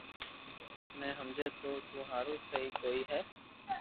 ني ھمجي تو تو ھارون سھي ڪوئي ھي